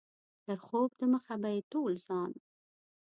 تر خوب دمخه به یې ټول ځان.